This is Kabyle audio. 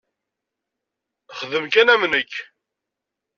Xdem kan am nekk.